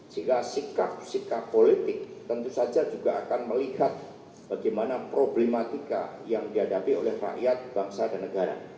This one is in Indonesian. sehingga sikap sikap politik tentu saja juga akan melihat bagaimana problematika yang dihadapi oleh rakyat bangsa dan negara